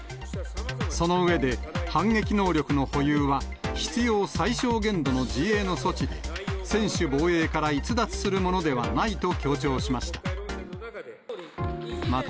その上で、反撃能力の保有は、必要最小限度の自衛の措置で、専守防衛から逸脱するものではないと強調しました。